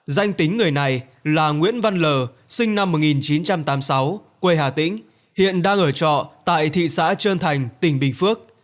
danh tính người này là nguyễn văn l sinh năm một nghìn chín trăm tám mươi sáu quê hà tĩnh hiện đang ở trọ tại thị xã trơn thành tỉnh bình phước